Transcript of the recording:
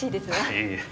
いえいえ。